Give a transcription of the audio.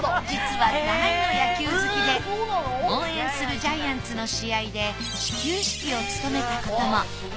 実は大の野球好きで応援するジャイアンツの試合で始球式を務めたことも。